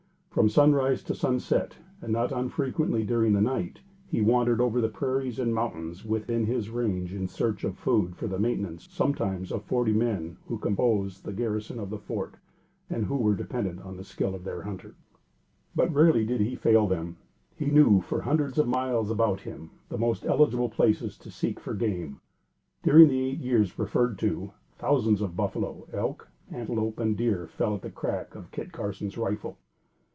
From sunrise to sunset and not unfrequently during the night, he wandered over the prairies and mountains within his range in search of food for the maintenance, sometimes of forty men who composed the garrison of the Fort and who were dependent on the skill of their hunter; but, rarely did he fail them. He knew, for hundreds of miles about him, the most eligible places to seek for game. During the eight years referred to, thousands of buffalo, elk, antelope and deer fell at the crack of Kit Carson's rifle.